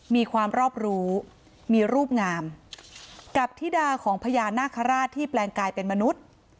มีความรอบรู้มีรูปงามกับธิดาของพญานาคาราชที่แปลงกายเป็นมนุษย์